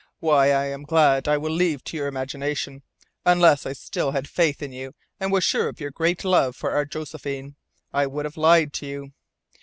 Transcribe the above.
"Why I am glad I will leave to your imagination. Unless I still had faith in you and was sure of your great love for our Josephine, I would have lied to you.